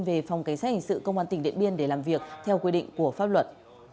về phòng cảnh sát hình sự công an tỉnh điện biên để làm việc theo quy định của pháp luật